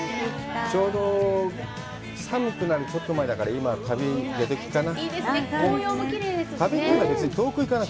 ちょうど寒くなるちょっと前だから、今旅、出ときかな？